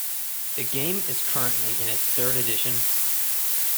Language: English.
The game is currently in its third edition.